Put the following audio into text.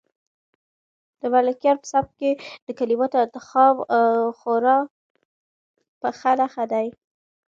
د ملکیار په سبک کې د کلماتو انتخاب خورا په نښه دی.